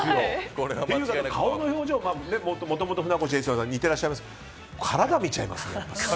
顔の表情はもともと船越英一郎さんに似てらっしゃいますが体を見ちゃいますね。